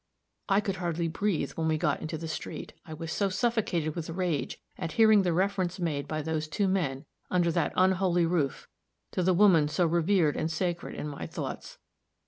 I could hardly breathe when we got into the street, I was so suffocated with rage at hearing the reference made by those two men, under that unholy roof, to the woman so revered and sacred in my thoughts.